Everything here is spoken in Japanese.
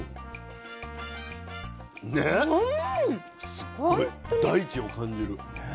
すっごい大地を感じる。